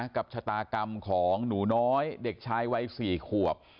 กับชะตากรรมของหนูน้อยเด็กชายวัย๔ขวบ